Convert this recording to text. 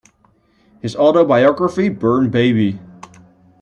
His autobiography, Burn, baby!